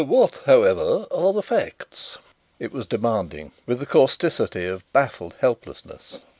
"What, however, are the facts?" it was demanding, with the causticity of baffled helplessness.